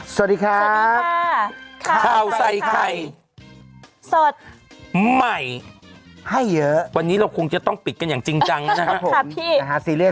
สวัสดีครับข้าวใส่ไข่สดใหม่ให้เยอะวันนี้เราคงจะต้องปิดกันอย่างจริงจังนะครับ